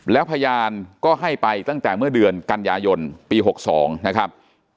แล้วพยานก็ให้ไปตั้งแต่เมื่อเดือนกันยายนปี๖๒นะครับ